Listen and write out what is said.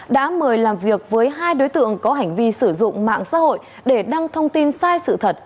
đã mời làm việc với hai đối tượng có hành vi sử dụng mạng xã hội để đăng thông tin sai sự thật